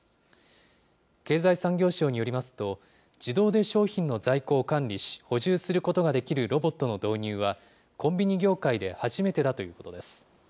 経済産業省によりますと、自動で商品の在庫を管理し、補充することができるロボットの導入は、コンビニ業界で初めてだということです。